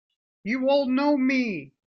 You all know me!